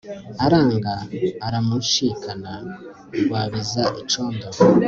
aranga aramunshikana Rwabiza icondo